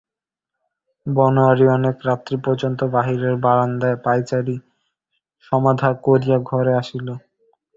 বনোয়ারি অনেক রাত্রি পর্যন্ত বাহিরের বারাণ্ডায় পায়চারি সমাধা করিয়া ঘরে আসিল।